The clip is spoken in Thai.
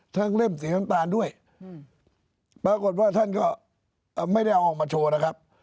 เล่มสีน้ำตาลด้วยปรากฏว่าท่านก็ไม่ได้เอาออกมาโชว์นะครับ